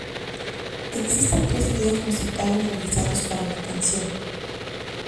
Existen tres videos musicales realizados para la canción.